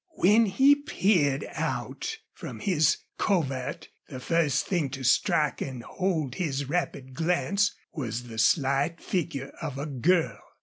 When he peered out from his covert the first thing to strike and hold his rapid glance was the slight figure of a girl.